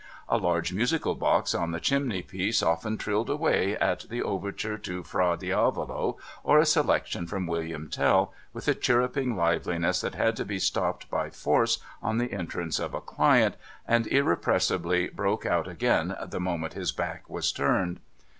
A large musical box on the chimney piece often trilled away at the Overture to Era Diavolo, or a Selection from William Tell, with a chirruping liveliness that had to be stopped by force on the entrance of a client, and irrepressibly broke out again the moment his back was turned.